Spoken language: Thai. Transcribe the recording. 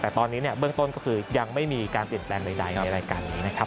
แต่ตอนนี้เนี่ยเบื้องต้นก็คือยังไม่มีการเปลี่ยนแปลงใดในรายการนี้นะครับ